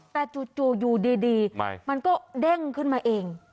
แต่จู่อยู่ดีมันก็เด้งขึ้นมาเอง